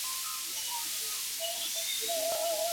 El socio mayoritario es el Grupo Casino de Francia.